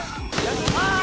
ああ！